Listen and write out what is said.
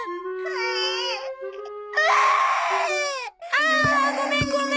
ああごめんごめん。